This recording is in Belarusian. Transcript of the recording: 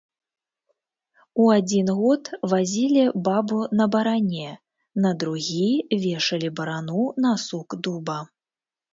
У адзін год вазілі бабу на баране, на другі вешалі барану на сук дуба.